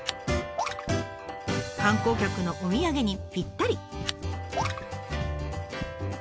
観光客のお土産にぴったり。